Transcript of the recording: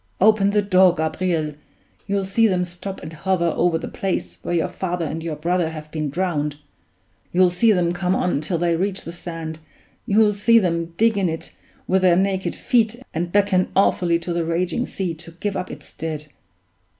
Open the door, Gabriel! You'll see them stop and hover over the place where your father and your brother have been drowned; you'll see them come on till they reach the sand, you'll see them dig in it with their naked feet and beckon awfully to the raging sea to give up its dead.